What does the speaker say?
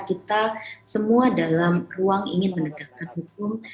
kita semua dalam ruang ingin menegakkan hukum